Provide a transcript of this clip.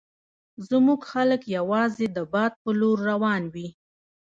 زموږ خلک یوازې د باد په لور روان وي.